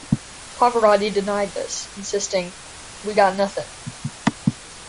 Pavarotti denied this, insisting: We got nothing.